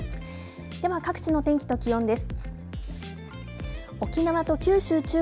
では、各地の天気と気温です。